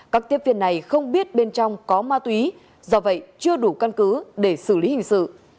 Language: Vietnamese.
các tiếp viên này không biết bên trong có ma túy do vậy chưa đủ căn cứ để xử lý hình sự